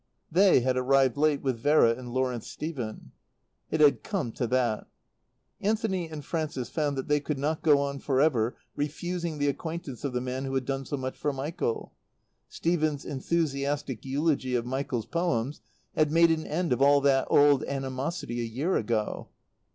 They had arrived late with Vera and Lawrence Stephen. It had come to that. Anthony and Frances found that they could not go on for ever refusing the acquaintance of the man who had done so much for Michael. Stephen's enthusiastic eulogy of Michael's Poems had made an end of that old animosity a year ago.